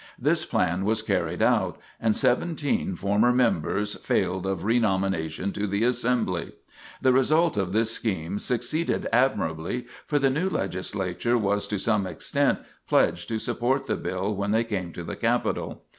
This plan was carried out, and seventeen former members failed of renomination to the Assembly. The result of this scheme succeeded admirably, for the new Legislature was to some extent pledged to support the bill when they came to the capitol.